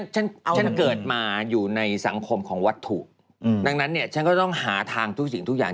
ฉันเกิดมาอยู่ในสังคมของวัตถุดังนั้นเนี่ยฉันก็ต้องหาทางทุกสิ่งทุกอย่าง